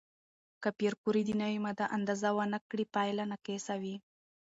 که پېیر کوري د نوې ماده اندازه ونه کړي، پایله ناقصه وي.